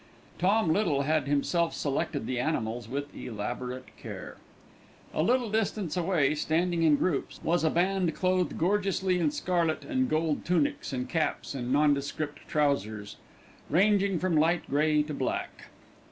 Tom Little had himself selected the animals with elaborate care. A little distance away, standing in groups, was a band clothed gorgeously in scarlet and gold tunics and caps, and nondescript trousers, ranging from light grey to black.